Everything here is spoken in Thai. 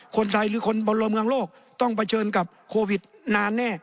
คนไทยหรือคนบนเมืองโลกต้องเผชิญกับโควิดนานแน่